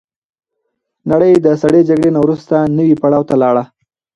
نړۍ د سړې جګړې نه وروسته نوي پړاو ته لاړه.